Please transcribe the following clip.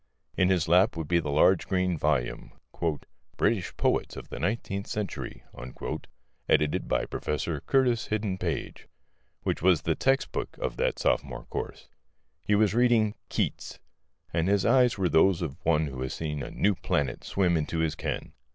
In his lap would be the large green volume ("British Poets of the Nineteenth Century," edited by Professor Curtis Hidden Page) which was the textbook of that sophomore course. He was reading Keats. And his eyes were those of one who has seen a new planet swim into his ken.